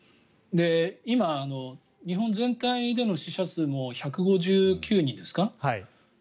今、日本全体での死者数も１５９人ですか。